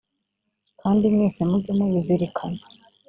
kandi mwese muge mubizirikana.